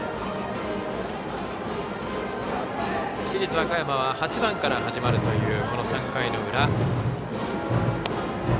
市立和歌山は８番から始まるというこの３回の裏。